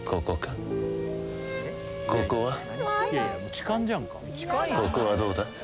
ここはどうだ？